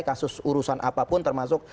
kasus urusan apapun termasuk